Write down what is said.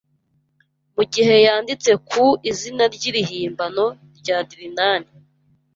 mu gihe yanditse ku izina ry'irihimbano rya Drinan